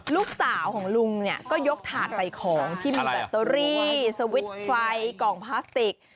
ลูกสาวของลุงเนี่ยก็ยกถาดใส่ของที่มีแบตเตอรี่สวิตช์ไฟกล่องพลาสติก